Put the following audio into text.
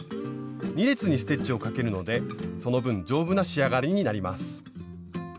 ２列にステッチをかけるのでその分丈夫な仕上がりになります。